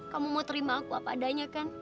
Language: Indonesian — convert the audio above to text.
kamu mau terima aku apa adanya kan